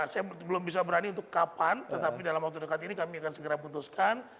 saya belum bisa berani untuk kapan tetapi dalam waktu dekat ini kami akan segera putuskan